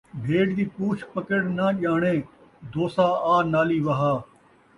بھیݙ دی پوچھ پکڑ ناں ڄاݨے، دوسا آ نالی وہا